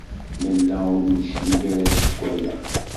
Nella ur d-neclig ara seg waya.